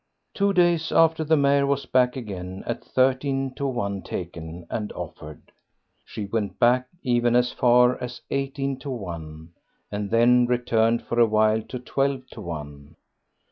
Two days after the mare was back again at thirteen to one taken and offered; she went back even as far as eighteen to one, and then returned for a while to twelve to one.